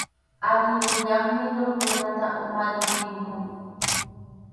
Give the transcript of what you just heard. Allin yuyayniyuq runata umayuq ninkum.